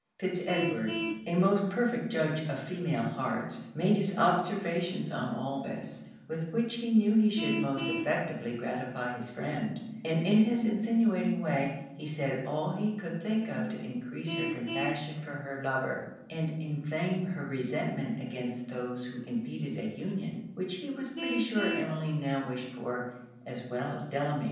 Fitz Edward, a most perfect judge of female hearts, made his observations on all this, with which he knew he should most effectually gratify his friend; and in his insinuating way, he said all he could think of to encrease her compassion for her lover, and inflame her resentment against those who impeded a union, which he was pretty sure Emmeline now wished for, as well as Delam